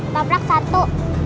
pak frak satu